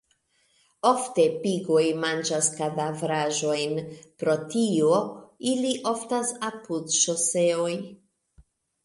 Ofte pigoj manĝas kadavraĵojn; pro tio ili oftas apud ŝoseoj.